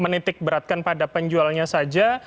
menitik beratkan pada penjualnya saja